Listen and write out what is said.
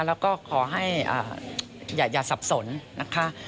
แล้วก็ขอให้อย่าสับสนนะคะ